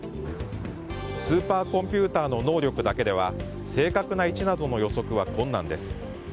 スーパーコンピューターの能力だけでは正確な位置などの予測は困難です。